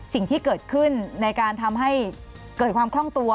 สิ่งที่เกิดขึ้นในการทำให้เกิดความคล่องตัว